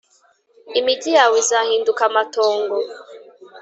Imigi yawe izahinduka amatongo